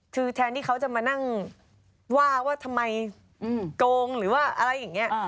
คือแทนที่เขาจะมานั่งว่าว่าทำไมโกงหรือว่าอะไรอย่างนี้